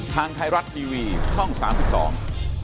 ทางไทยรัฐทีวีช่องสามสิบสอง